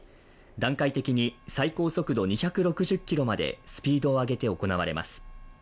段階的に最高速度２６０キロまでスピードを上げて行われます。